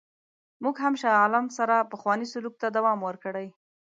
موږ هم له شاه عالم سره پخوانی سلوک ته دوام ورکړی.